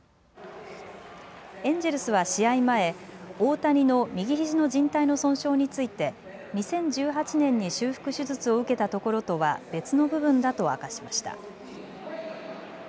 エンジェルスは試合前、大谷の右ひじのじん帯の損傷について２０１８年に修復手術を受けたところとは別の部分だと明かしました。